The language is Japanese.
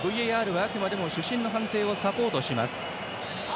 ＶＡＲはあくまでも主審の判定をサポートします。